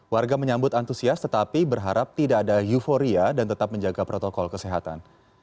warga menyambut antusias tetapi berharap tidak ada euforia dan tetap menjaga protokol kesehatan